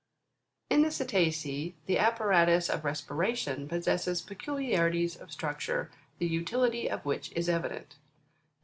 24. In the Cetacea, the apparatus of respiration possesses pecu liarities of structure, the utility of which is evident The nares 22.